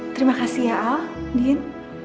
terima kasih ya al din